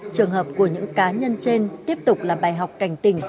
trường hợp của những cá nhân trên tiếp tục là bài học cảnh tỉnh